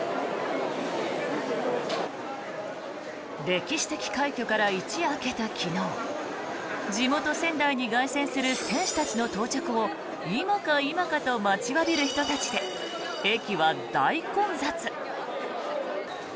歴史的快挙から一夜明けた昨日地元・仙台に凱旋する選手たちの到着を今か今かと待ちわびる人たちで駅は大混雑。